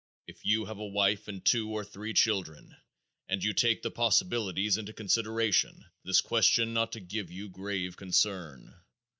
If you have a wife and two or three children, and you take the possibilities into consideration, this question ought to give you grave concern.